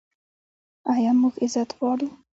آیا موږ عزت غواړو؟